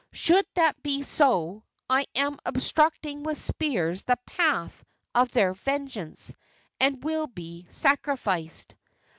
Should that be so, I am obstructing with spears the path of their vengeance, and will be sacrificed."